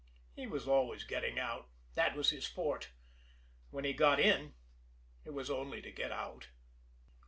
He was always getting out. That was his forte. When he got in, it was only to get out.